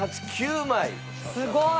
すごい！